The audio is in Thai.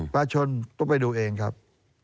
ภาชนต้องไปดูเองครับ